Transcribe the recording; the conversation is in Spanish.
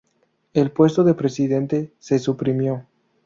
El puesto de presidente se suprimió.